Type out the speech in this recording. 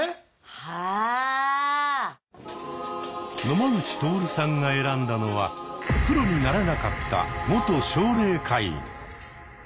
野間口徹さんが選んだのは「プロになれなかった元奨励会員」。